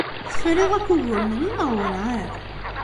Tefriḍ akk uguren-nni neɣ werɛad?